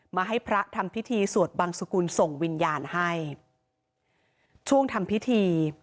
มาให้พระทำพิธีสวดบังสุกุลส่งวิญญาณให้ช่วงทำพิธี